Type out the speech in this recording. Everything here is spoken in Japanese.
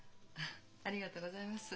ありがとうございます。